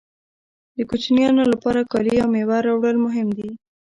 د کوچنیانو لپاره کالي او مېوه راوړل مهم دي